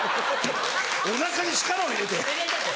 おなかに力を入れて？